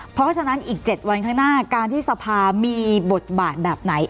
เพราะฉะนั้นอีก๗วันข้างหน้าการที่สภามีบทบาทแบบไหน